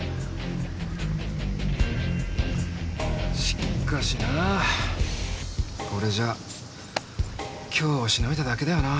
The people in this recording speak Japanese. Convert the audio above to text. しっかしなこれじゃ今日をしのいだだけだよな。